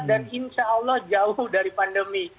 dan insya allah jauh dari pandemi